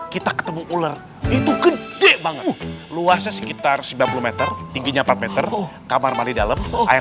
kita ketemu ular itu gede banget luasnya sekitar sembilan puluh m tingginya empat meter kamar mandi dalam air